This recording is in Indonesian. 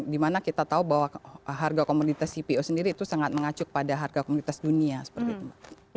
dimana kita tahu bahwa harga komoditas cpo itu sangat mengacu pada harga komoditas cpo